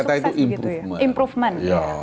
saya menggunakan kata itu improvement